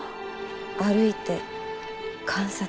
歩いて観察して。